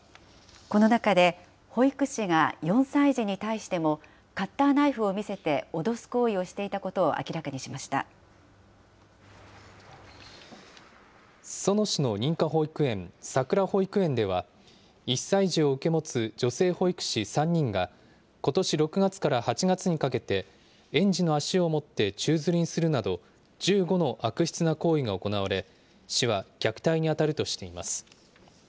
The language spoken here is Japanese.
この中で、保育士が４歳児に対しても、カッターナイフを見せて脅す行為をしていたことを明らかにしまし裾野市の認可保育園、さくら保育園では、１歳児を受け持つ女性保育士３人が、ことし６月から８月にかけて、園児の足を持って宙づりにするなど、１５の悪質な行為が行われ、市は虐待に当たるとしています。